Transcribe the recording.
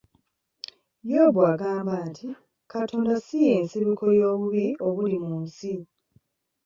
Yobu agamba nti Katonda si y'ensibuko y'obubi obuli mu nsi.